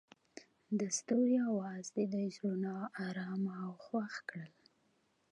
د ستوري اواز د دوی زړونه ارامه او خوښ کړل.